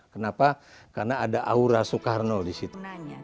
kenapa karena ada aura soekarno disitu